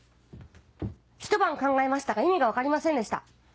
ひと晩考えましたが意味が分かりませんでした。